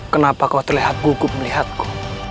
kenapa kau terlihat gugup melihatku